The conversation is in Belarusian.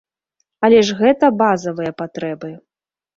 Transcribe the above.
Але ж гэта базавыя патрэбы.